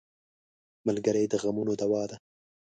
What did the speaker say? ملګری د غمونو دوا ده.